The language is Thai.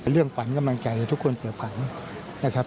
เรื่องขวัญกำลังใจทุกคนเสียขวัญ